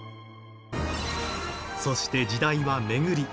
そして、時代は巡り